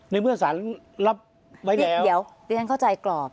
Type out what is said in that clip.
ในเมื่อสารรับไว้เดี๋ยวดิฉันเข้าใจกรอบ